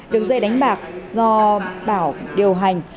đường dây đánh bạc do bảo điều hành